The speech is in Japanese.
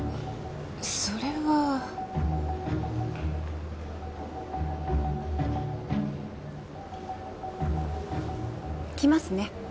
それは。来ますね。